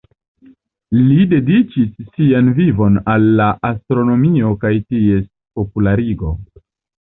Li dediĉis sian vivon al la astronomio kaj ties popularigo.